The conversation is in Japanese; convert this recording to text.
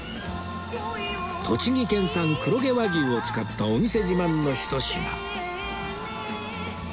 栃木県産黒毛和牛を使ったお店自慢のひと品